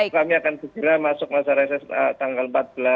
kami akan segera masuk masa reses tanggal empat belas